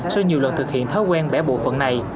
sau nhiều lần thực hiện thói quen bẻ bộ phận này